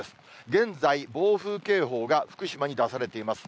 現在、暴風警報が福島に出されています。